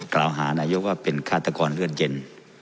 เก่าหาในยุคว่าเป็นฆาตกรเลือดเย็น